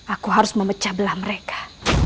aku harus memecah belah mereka